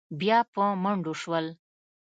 بيا په منډو شول.